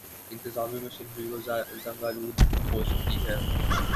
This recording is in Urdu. انتظامی مشینری گو زنگ آلود ہو چکی ہے۔